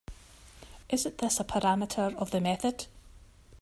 Isn’t this a parameter of the method?